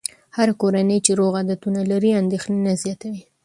هره کورنۍ چې روغ عادتونه لري، اندېښنې نه زیاتوي.